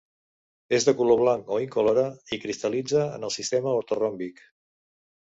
És de color blanc o incolora i cristal·litza en el sistema ortoròmbic.